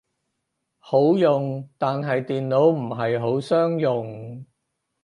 好用，但係電腦唔係好相容